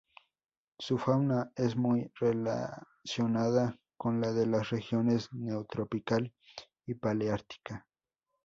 Su fauna está muy relacionada con la de las regiones Neotropical y Paleártica.